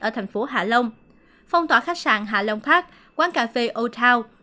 ở thành phố hạ long phong tỏa khách sạn hạ long park quán cà phê old town